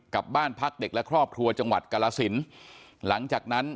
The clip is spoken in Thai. บ้านพักเด็กและครอบครัวจังหวัดกรสินหลังจากนั้น